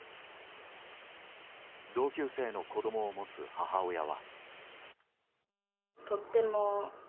同級生の子供を持つ母親は。